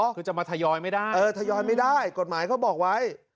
คือจะมาทยอยไม่ได้เออทยอยไม่ได้กฎหมายเขาบอกไว้